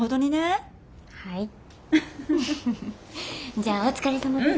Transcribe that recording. じゃあお疲れさまです。